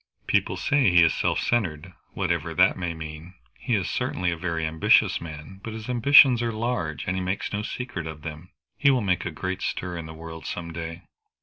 "People say he is self centred, whatever that may mean. He is certainly a very ambitious man, but his ambitions are large, and he makes no secret of them. He will make a great stir in the world some day."